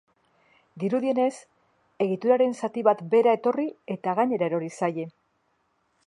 Dirudienez, egituraren zati bat behera etorri eta gainera erori zaie.